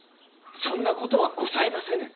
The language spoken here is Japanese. そんなことはございませぬ。